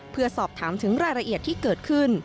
เพื่อสอบถามถึงรายละเอียดที่เกิดขึ้น